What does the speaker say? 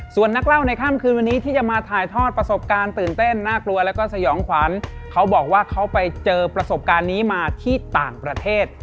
ส่วนนักเล่าในค่ำคืนวันนี้ที่จะมาถ่ายทอดประสบการณ์ตื่นเต้นน่ากลัวแล้วก็สยองขวัญเขาบอกว่าเขาไปเจอประสบการณ์นี้มาที่ต่างประเทศ